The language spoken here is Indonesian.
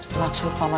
dibalik selimut raden